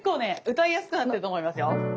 歌いやすくなってると思いますよ。